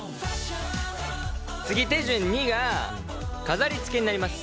次手順２が飾りつけになります。